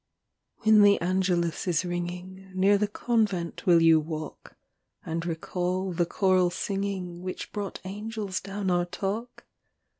XI. When the angelus is ringing, Near the convent will you walk, And recall the choral singing Which brought angels down our talk?